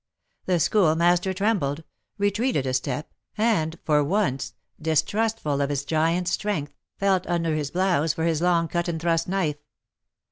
The Schoolmaster trembled, retreated a step, and, for once, distrustful of his giant strength, felt under his blouse for his long cut and thrust knife.